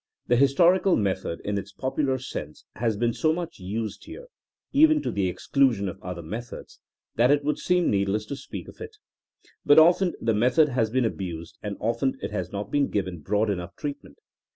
The historical method, in its popular sense, has been so much used here, even to the exclusion of other methods, that it would seem needless to speak of it. But often the method has been abused and often it has not been given broad enough treatment.